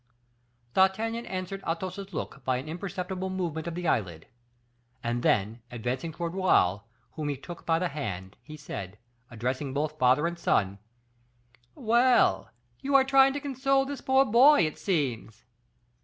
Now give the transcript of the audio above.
D'Artagnan answered Athos's look by an imperceptible movement of the eyelid; and then, advancing towards Raoul, whom he took by the hand, he said, addressing both father and son, "Well, you are trying to console this poor boy, it seems."